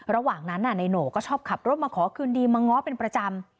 ระหว่างนั้นนายโหน่ก็ชอบขับรถมาขอคืนดีมาง้อเป็นประจำ